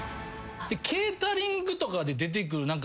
ケータリングとかで出てくる。